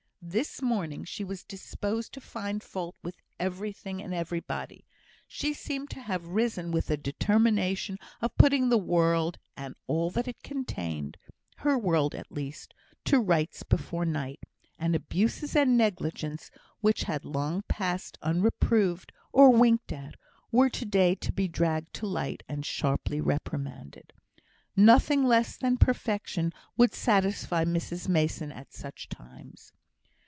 This morning she was disposed to find fault with everything, and everybody. She seemed to have risen with the determination of putting the world and all that it contained (her world, at least) to rights before night; and abuses and negligences, which had long passed unreproved, or winked at, were to day to be dragged to light, and sharply reprimanded. Nothing less than perfection would satisfy Mrs Mason at such times.